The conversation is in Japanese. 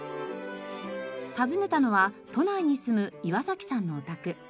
訪ねたのは都内に住む岩崎さんのお宅。